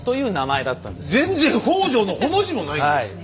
全然北条のほの字もないんです。